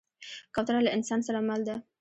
کوتره له انسان سره مل ده.